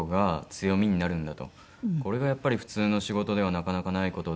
これがやっぱり普通の仕事ではなかなかない事で。